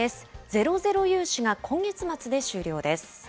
ゼロゼロ融資が今月末で終了です。